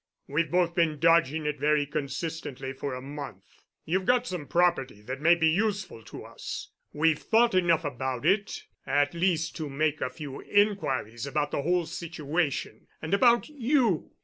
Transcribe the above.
We've both been dodging it very consistently for a month. You've got some property that may be useful to us. We've thought enough about it at least to make a few inquiries about the whole situation—and about you.